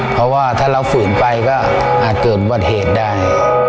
เพราะว่าถ้าเราฝืนไปก็อาจเกิดอุบัติเหตุได้